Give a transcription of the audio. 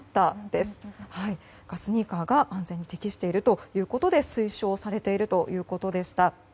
ですからスニーカーが安全に適しているということで推奨されているということでした。